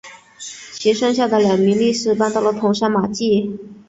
其剩下的两名力士搬到了桐山马厩。